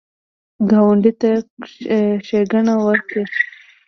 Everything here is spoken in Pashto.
ګاونډي ته ښېګڼه وکړه